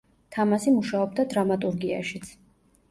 თამაზი მუშაობდა დრამატურგიაშიც.